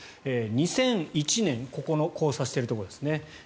２００１年、ここの交差しているところですね。